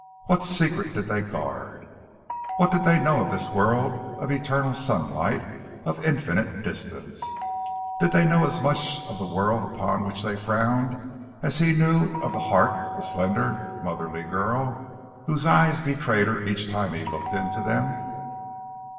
What secret did they guard? What did they know of this world of eternal sunlight, of infinite distance? Did they know as much of the world upon which they frowned as he knew of the heart of the slender, motherly girl whose eyes betrayed her each time he looked into them?